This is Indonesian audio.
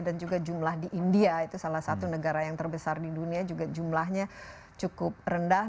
dan juga jumlah di india itu salah satu negara yang terbesar di dunia juga jumlahnya cukup rendah